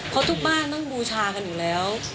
เพราะทุกบ้านต้องบูชากันอยู่แล้ว